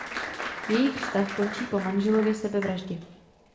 Jejich vztah končí po manželově sebevraždě.